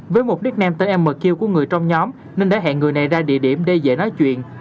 với mục đích nêm tên mq của người trong nhóm nên đã hẹn người này ra địa điểm để dễ nói chuyện